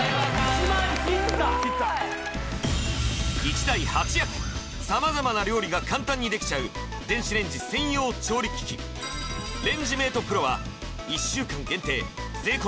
１万切った切った１台８役様々な料理が簡単にできちゃう電子レンジ専用調理機器レンジメートプロは１週間限定税込